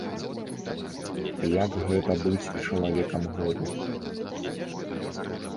Як гэта быць чалавекам году?